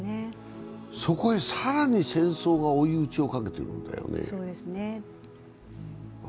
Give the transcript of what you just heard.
そこへ更に戦争が追い打ちをかけているんだよね。